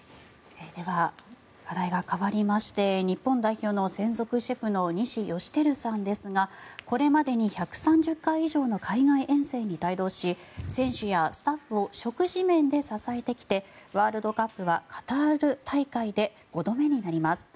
では、話題は変わりまして日本代表の専属シェフの西芳照さんですがこれまでに１３０回以上の海外遠征に帯同し選手やスタッフを食事面で支えてきてワールドカップはカタール大会で５度目になります。